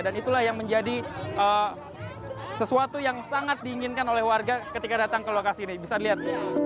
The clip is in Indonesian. dan itulah yang menjadi sesuatu yang sangat diinginkan oleh warga ketika datang ke lokasi ini bisa dilihat